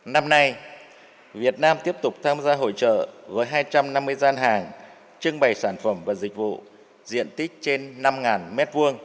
năm nay việt nam tiếp tục tham gia hội trợ với hai trăm năm mươi gian hàng trưng bày sản phẩm và dịch vụ diện tích trên năm m hai